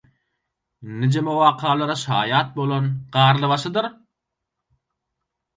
Nijeme wakalara şaýat bolan garly başydyr?